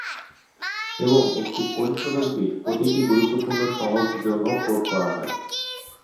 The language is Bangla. এবং একটি পরিশোধক বিট প্রতিটি গুরুত্বপূর্ণ সহগ জন্য কোড করা হয়।